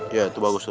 iya itu bagus tuh